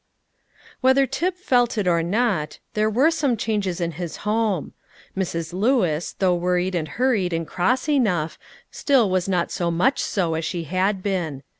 Whether Tip felt it or not, there were some changes in his home. Mrs. Lewis, though worried and hurried and cross enough, still was not so much so as she had been.